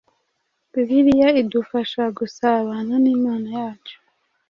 Bibiliya idufasha gusabana n’Imana yacu: